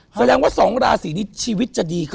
แสดงว่า๒ราศีนี้ชีวิตจะดีขึ้น